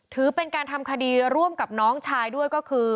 ถือเป็นการทำคดีร่วมกับน้องชายด้วยก็คือ